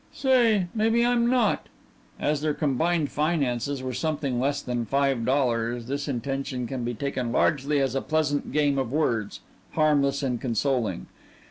"Say, maybe I'm not." As their combined finances were something less than five dollars, this intention can be taken largely as a pleasant game of words, harmless and consoling.